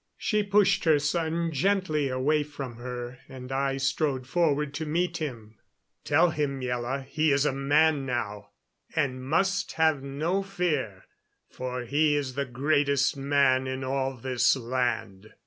She pushed her son gently away from her, and I strode forward to meet him. "Tell him, Miela, he is a man now, and must have no fear, for he is the greatest man in all this land."